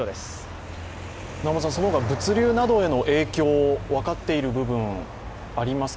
その他物流などへの影響、分かっている部分ありますか？